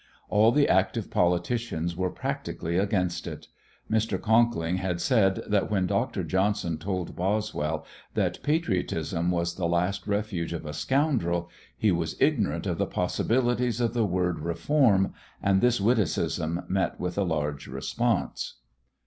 All the active politicians were practically against it. Mr. Conkling had said that when Dr. Johnson told Boswell "that patriotism was the last refuge of a scoundrel" he was ignorant of the possibilities of the word "reform," and this witticism met with a large response.